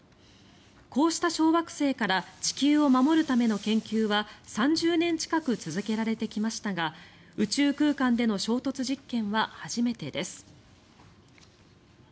こうした小惑星から地球を守るための研究は３０年近く続けられてきましたが宇宙空間での衝突実験は初めてです。